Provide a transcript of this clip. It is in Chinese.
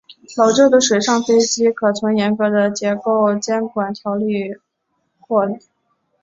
老旧的水上飞机可从严格的结构监管条例豁免。